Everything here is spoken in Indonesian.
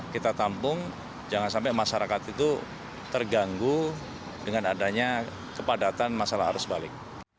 kita tampung jangan sampai masyarakat itu terganggu dengan adanya kepadatan masalah arus balik